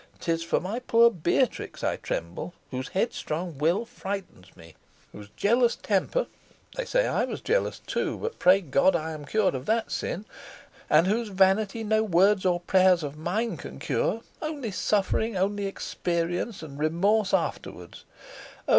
'Tis for my poor Beatrix I tremble whose headstrong will frightens me; whose jealous temper (they say I was jealous too, but, pray God, I am cured of that sin) and whose vanity no words or prayers of mine can cure only suffering, only experience, and remorse afterwards. Oh!